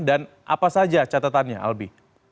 dan apa saja catatannya albi